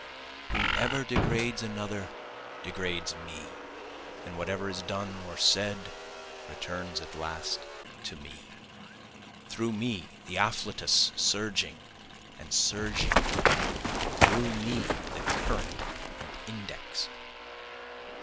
Whoever degrades another degrades me, And whatever is done or said returns at last to me. Through me the afflatus surging and surging, through me the current and index.